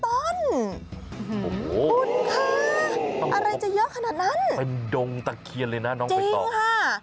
คุณค่ะอะไรจะเยอะขนาดนั้นเป็นดงตะเคียนเลยนะน้องใบตองค่ะ